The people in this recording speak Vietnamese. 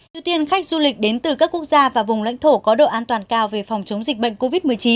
ưu tiên khách du lịch đến từ các quốc gia và vùng lãnh thổ có độ an toàn cao về phòng chống dịch bệnh covid một mươi chín